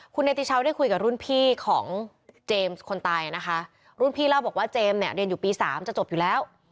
คุณเนติชาวได้คุยกับรุ่นพี่ของเจมส์คนตายนะคะรุ่นพี่เล่าบอกว่าเจมส์เนี่ยเรียนอยู่ปี๓จะจบอยู่แล้ว